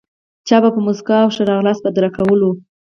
چا په موسکا او ښه راغلاست بدرګه کولو.